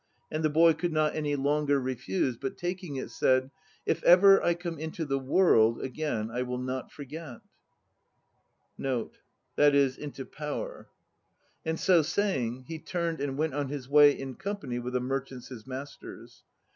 And the boy could not any longer refuse, but taking it said, "If ever I come into the World x again, I will not forget." And so saying he turned and went on his way in company with the merchants his masters.